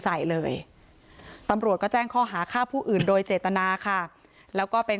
ใส่เลยตำรวจก็แจ้งข้อหาฆ่าผู้อื่นโดยเจตนาค่ะแล้วก็เป็น